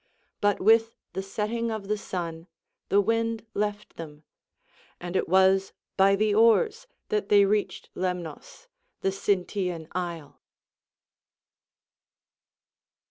But with the setting of the sun the wind left them, and it was by the oars that they reached Lemnos, the Sintian isle.